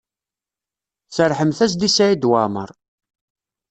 Serrḥemt-as-d i Saɛid Waɛmaṛ.